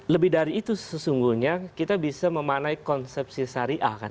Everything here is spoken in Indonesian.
lebih dari itu sesungguhnya kita bisa memanai konsepsi syariah